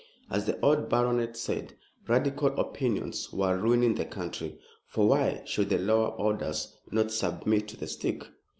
As the old Baronet said, radical opinions were ruining the country; for why should the lower orders not submit to the stick?